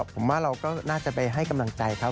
ผมว่าเราก็น่าจะไปให้กำลังใจเขา